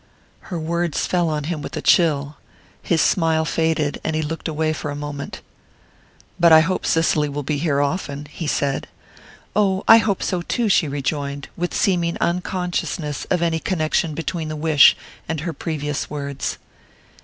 Her words fell on him with a chill. His smile faded, and he looked away for a moment. "But I hope Cicely will be here often," he said. "Oh, I hope so too," she rejoined, with seeming unconsciousness of any connection between the wish and her previous words.